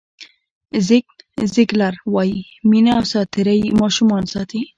زیګ زیګلر وایي مینه او ساعتېرۍ ماشومان ساتي.